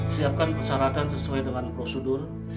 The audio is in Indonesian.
siapkan persyaratan sesuai dengan prosedur